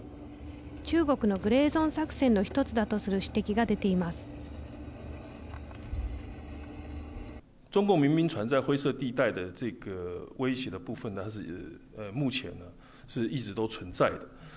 中国のグレーゾーン作戦の１つだとする指摘が出ています。